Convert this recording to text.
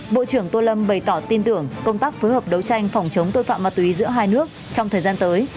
bộ trưởng tô lâm bày tỏ tin tưởng công tác phối hợp đấu tranh phòng chống tội phạm ma túy giữa hai nước trong thời gian tới